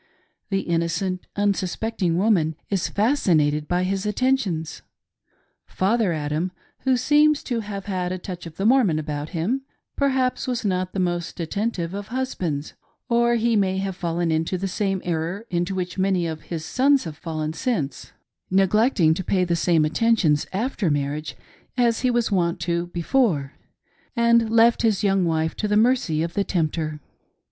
The innocent, unsuspecting woman is fascinated by his attentions. Father Adam — who seems to have had a touch of the Mormon about him — perhaps was not the most attentive of husbands ; or he may have fallen into the same error into vhich many of his sons have fallen sinC8 364 THE GARDEN OF EDEN: ^TAKING THE "FIRST DEGREE." — neglecting to pay the same attentions after marriage as he was wont to before — and left his young wife to the mercy of the tempter.